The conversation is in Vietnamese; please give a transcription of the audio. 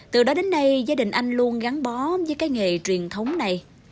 từ đó đến nay gia đình anh luôn gắn bó với cái nghề truyền thống này